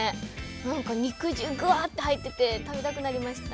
何か肉汁ぐわっと入ってて、食べたくなりました。